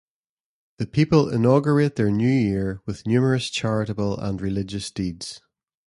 The people inaugurate their New Year with numerous charitable and religious deeds.